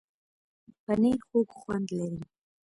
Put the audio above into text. پنېر خوږ خوند لري.